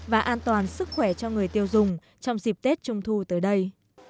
và an toàn sức khỏe cho người tiêu dùng trong dịp tết trung thu tới đây